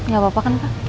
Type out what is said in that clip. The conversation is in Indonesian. gak apa apa kan pak